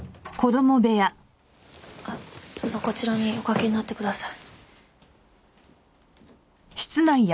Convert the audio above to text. あっどうぞこちらにおかけになってください。